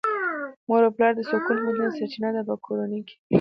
مور او پلار د سکون موندلې سرچينه ده په کورنۍ کې .